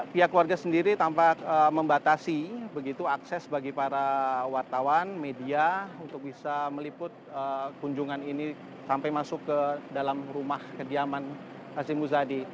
pihak keluarga sendiri tampak membatasi begitu akses bagi para wartawan media untuk bisa meliput kunjungan ini sampai masuk ke dalam rumah kediaman hasim muzadi